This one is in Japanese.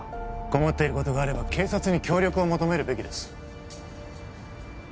困っていることがあれば警察に協力を求めるべきです